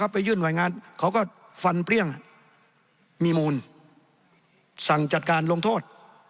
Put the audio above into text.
ไปยื่นหน่วยงานเขาก็ฟันเปรี้ยงมีมูลสั่งจัดการลงโทษ